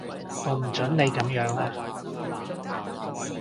我唔準你噉樣啊